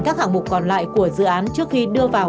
các hạng mục còn lại của dự án trước khi đưa vào